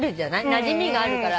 なじみがあるから。